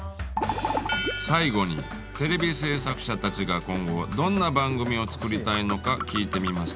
最後にテレビ制作者たちが今後どんな番組を作りたいのか聞いてみました。